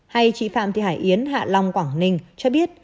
hay chị phạm thị hải yến hạ long quảng ninh cho biết